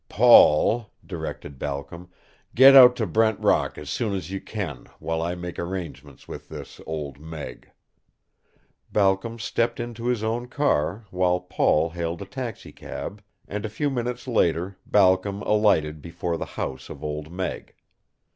"Paul," directed Balcom, "get out to Brent Rock as soon as you can while I make arrangements with this Old Meg." Balcom stepped into his own car, while Paul hailed a taxicab, and a few minutes later Balcom alighted before the house of Old Meg.